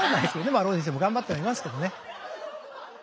まあ浪人生も頑張ってはいますけどね。